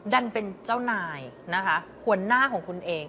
ดันเป็นเจ้านายนะคะหัวหน้าของคุณเอง